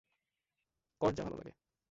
কর যা ভালো লাগে।